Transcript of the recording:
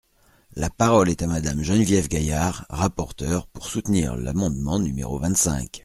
La parole est à Madame Geneviève Gaillard, rapporteure, pour soutenir l’amendement numéro vingt-cinq.